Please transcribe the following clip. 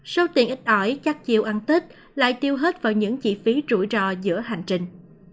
số tiền ít ỏi chắc chiêu ăn tết lại tiêu hết vào những chi phí rủi ro giữa hành trình